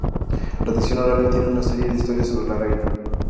La tradición oral tiene una serie de historias sobre la reina.